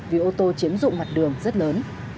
vì ô tô chiếm dụng mặt đường rất lớn